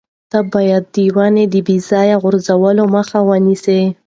ته باید د ونو د بې ځایه غوڅولو مخه ونیسې.